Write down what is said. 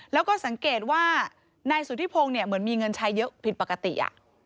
แล้วก็สังเกตว่านายสุธิพงศ์เนี่ยเหมือนมีเงินใช้เยอะผิดปกติ